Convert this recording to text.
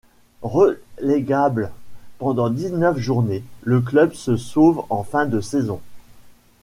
Relégable pendant dix-neuf journées, le club se sauve en fin de saison.